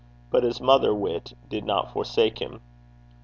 But his mother wit did not forsake him.